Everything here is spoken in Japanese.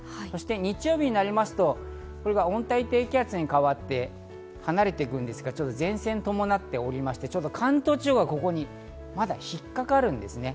日曜日になりますと、温帯低気圧に変わって離れていくんですけど、前線を伴っておりまして、関東地方がここにまだ引っ掛かるんですね。